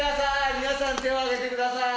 皆さん手をあげてください